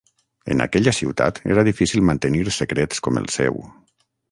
En aquella ciutat era difícil mantenir secrets com el seu.